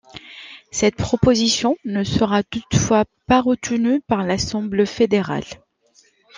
Cette proposition ne sera toutefois pas retenue par l'Assemble fédérale.